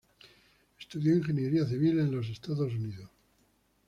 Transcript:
Estudió ingeniería civil en los Estados Unidos.